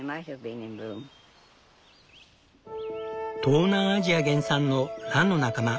東南アジア原産のランの仲間